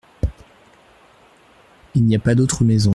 Il n’y a pas d’autre maison.